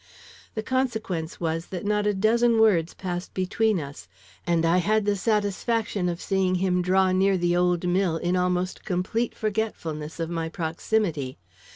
The consequence was that not a dozen words passed between us, and I had the satisfaction of seeing him draw near the old mill in almost complete forgetfulness of my proximity.